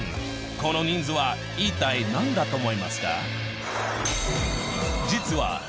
この人数は一体何だと思いますか？